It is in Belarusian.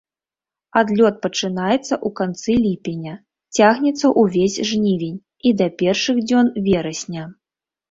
Адлёт пачынаецца ў канцы ліпеня, цягнецца ўвесь жнівень і да першых дзён верасня.